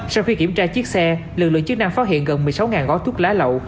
sau khi kiểm tra chiếc xe lực lượng chức năng phát hiện gần một mươi sáu gói thuốc lá lậu